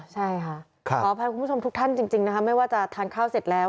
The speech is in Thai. ใช่ค่ะขออภัยคุณผู้ชมทุกท่านจริงนะคะไม่ว่าจะทานข้าวเสร็จแล้ว